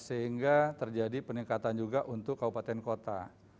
sehingga terjadi peningkatan juga untuk kabupaten kota